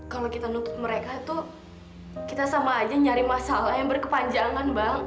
kalau kita nutup mereka tuh kita sama aja nyari masalah yang berkepanjangan bang